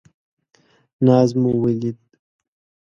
ناز مو ولید.